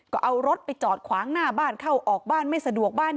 ก็เอารถไปจอดขวางหน้าบ้านเข้าออกบ้านไม่สะดวกบ้าน